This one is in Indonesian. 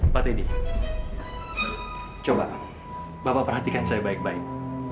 pak teddy coba bapak perhatikan saya baik baik